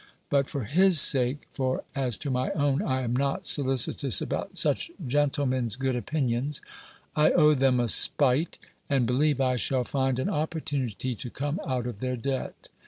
But for his sake (for as to my own, I am not solicitous about such gentlemen's good opinions), I owe them a spite; and believe, I shall find an opportunity to come out of their debt.